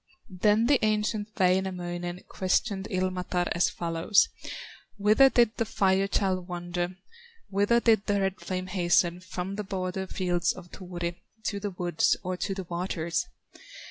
Then the ancient Wainamoinen Questioned Ilmatar as follows: "Whither did the Fire child wander, Whither did the red flame hasten, From the border fields of Turi, To the woods, or to the waters?"